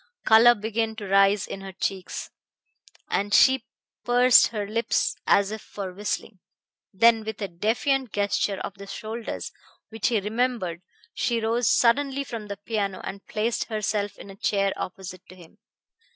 Color began to rise in her cheeks, and she pursed her lips as if for whistling. Then with a defiant gesture of the shoulders which he remembered she rose suddenly from the piano and placed herself in a chair opposite to him.